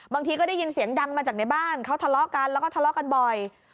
บางทีก็ได้ยินเสียงดังมาจากในบ้านเขาทะเลาะกันแล้วก็ทะเลาะกันบ่อย